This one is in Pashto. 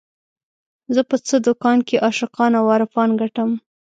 زه په څه دکان کې عاشقان او عارفان ګټم